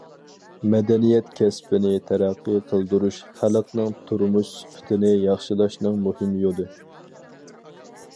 مەدەنىيەت كەسپىنى تەرەققىي قىلدۇرۇش خەلقنىڭ تۇرمۇش سۈپىتىنى ياخشىلاشنىڭ مۇھىم يولى.